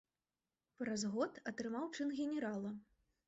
Праз год атрымаў чын генерала.